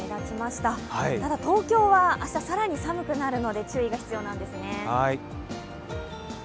ただ東京は明日は更に寒くなるので注意が必要ですね。